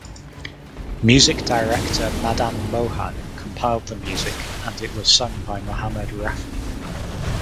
Music director Madan Mohan compiled the music and it was sung by Mohammad Rafi.